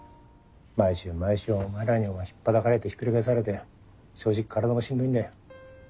毎週毎週お前らにひっぱたかれてひっくり返されて正直体もしんどいんだよ。